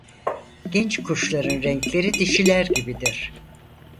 Genç kuşların renkleri dişiler gibidir.